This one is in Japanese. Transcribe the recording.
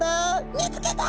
見つけた！」